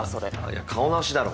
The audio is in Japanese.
いやカオナシだろ！